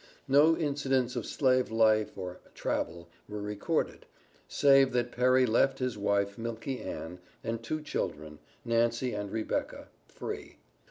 No incidents of slave life or travel were recorded, save that Perry left his wife Milky Ann, and two children, Nancy and Rebecca (free).